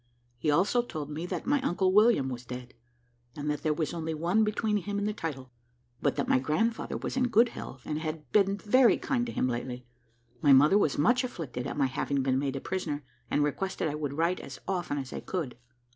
He also told me that my uncle William was dead, and that there was only one between him and the title, but that my grandfather was in good health, and had been very kind to him lately. My mother was much afflicted at my having been made a prisoner, and requested I would write as often as I could.